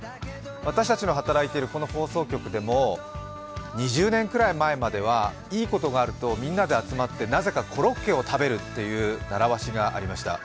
私たちの働いているこの放送局でも２０年ぐらい前まではいいことがあるとみんなで集まってなぜかコロッケを食べるという習わしがありました。